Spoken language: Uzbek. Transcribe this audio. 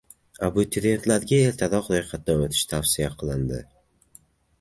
Abituriyentlarga ertaroq ro‘yxatdan o‘tish tavsiya qilindi